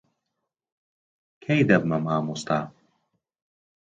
کەی دەبمە مامۆستا؟